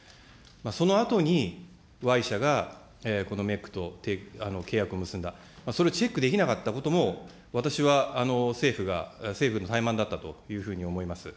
そのあとに、Ｙ社がこのメックと契約を結んだ、それ、チェックできなかったことも、私は政府が、政府の怠慢だったというふうに思います。